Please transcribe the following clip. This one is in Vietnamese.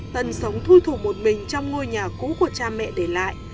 tân sống thu thủ một mình trong ngôi nhà cũ của cha mẹ để lại